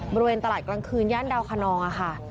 บริเวณตลาดกลางคืนย่านดาวคนองค่ะ